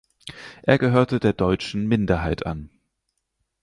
Er gehörte der deutschen Minderheit an.